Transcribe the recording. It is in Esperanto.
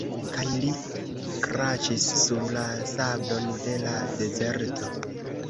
Kaj li kraĉis sur la sablon de la dezerto.